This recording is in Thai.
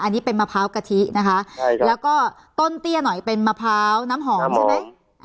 อันนี้เป็นมะพร้าวกะทินะคะแล้วก็ต้นเตี้ยหน่อยเป็นมะพร้าวน้ำหอมใช่ไหม